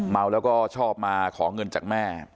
เมาแล้วก็ชอบมาขอเงินจากแม่